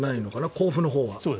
甲府のほうは。